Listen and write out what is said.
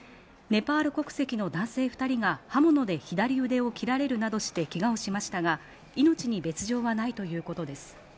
ネパール国籍の男性２人が刃物で左腕を切られるなどしてけがをしましたが、命に別条はないということです。